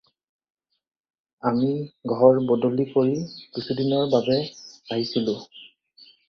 আমি ঘৰ বদলি কৰি কিছুদিনৰ বাবে আহিছিলোঁ।